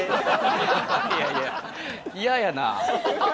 いやいや嫌やなあ。